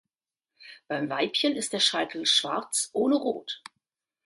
Beim Weibchen ist der Scheitel schwarz ohne Rot.